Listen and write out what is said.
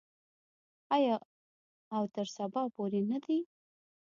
آیا او تر سبا پورې نه دی؟